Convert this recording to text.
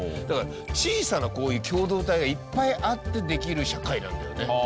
だから小さなこういう共同体がいっぱいあってできる社会なんだよね。